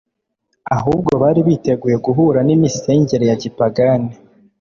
ahubwo bari biteguye guhura n'imisengere ya gipagani.